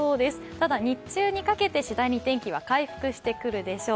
ただ、日中にかけて次第に天気は回復してくるでしょう。